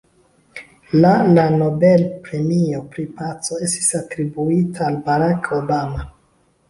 La la Nobel-premio pri paco estis atribuita al Barack Obama.